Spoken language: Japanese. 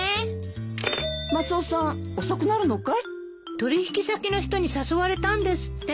取引先の人に誘われたんですって。